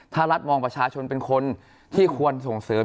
ถ้ารัฐมองประชาชนเป็นคนที่ควรส่งเสริม